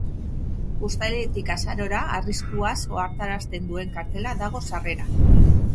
Uztailetik azarora arriskuaz ohartarazten duen kartela dago sarreran.